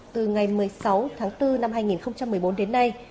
từ ngày một mươi sáu tháng bốn năm hai nghìn một mươi bốn đến nay